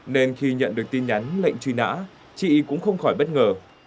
nên khi nhận được tin nhắn lệnh truy nã chị cũng không khỏi bất ngờ